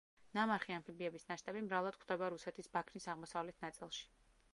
ნამარხი ამფიბიების ნაშთები მრავლად გვხვდება რუსეთის ბაქნის აღმოსავლეთ ნაწილში.